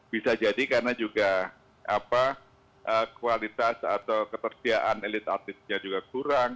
bisa jadi karena juga kualitas atau ketersediaan elit artisnya juga kurang